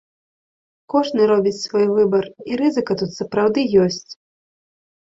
Кожны робіць свой выбар, і рызыка тут сапраўды ёсць.